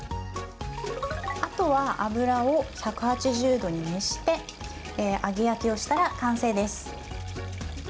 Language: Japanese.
あとは油を１８０度に熱して揚げ焼きをしたら完成です。